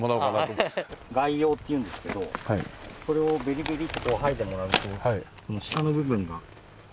「外葉」って言うんですけどこれをベリベリッと剥いでもらうとこの下の部分が。